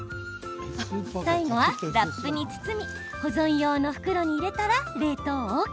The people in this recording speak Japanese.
最後はラップに包み保存用の袋に入れたら冷凍ＯＫ。